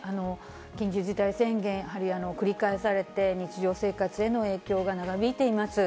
緊急事態宣言、やはり繰り返されて、日常生活への影響が長引いています。